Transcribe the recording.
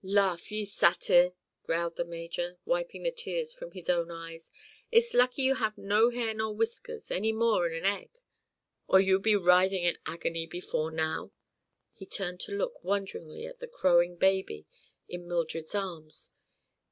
"Laugh, ye satyr!" growled the major, wiping the tears from his own eyes. "It's lucky you have no hair nor whiskers—any more than an egg—or you'd be writhing in agony before now." He turned to look wonderingly at the crowing baby in Mildred's arms.